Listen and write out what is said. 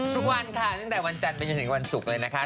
ทุกวันค่ะตั้งแต่วันจันทร์ไปจนถึงวันศุกร์เลยนะคะ